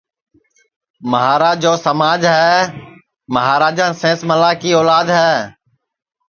مہارا جکو سماج ہے مہاراجا سینس ملا کی اولاد ہے